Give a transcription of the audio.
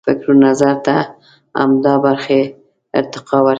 فکر و نظر ته همدا برخې ارتقا ورکوي.